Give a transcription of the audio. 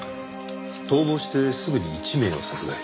逃亡してすぐに１名を殺害。